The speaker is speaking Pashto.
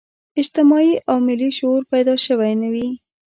اجتماعي او ملي شعور پیدا شوی نه وي.